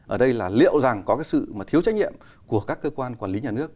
ở đây là liệu rằng có cái sự mà thiếu trách nhiệm của các cơ quan quản lý nhà nước